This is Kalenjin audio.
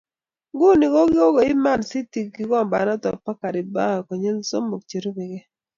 Nguno ko kakoib Man City Kikimbanato bo Carabao konyil somok che rubekei.